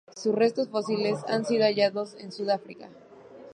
Sus restos fósiles han sido hallados en Sudáfrica.